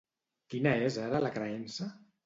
Quina és ara la creença?